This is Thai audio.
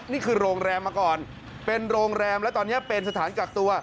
นี่คือโรงแรมมาก่อนเป็นโรงแรมแล้วตอนนี้เป็นสถานกักตัว